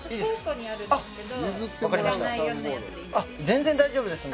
全然大丈夫です。